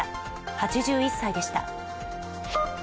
８１歳でした。